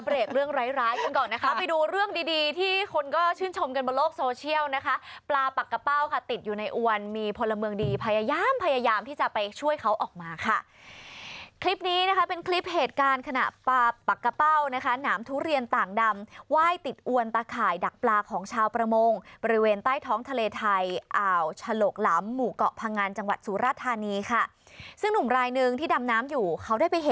ลืมตัวใส่อารมณ์กันมาก